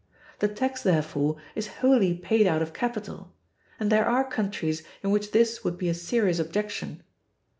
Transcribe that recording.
The tax, therefore, is wholly paid out of capital; and there are countries in which this would be a serious objection.